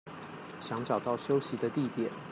想找到休息的地點